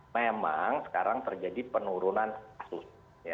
memang sekarang terjadi penurunan kasus